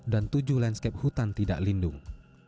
dan tujuh landscape hutan tidak lindung